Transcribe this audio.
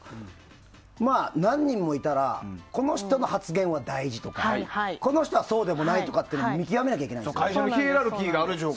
何人もいたらこの人の発言は大事とかこの人はそうでもないというのを見極めなきゃいけないんでしょ。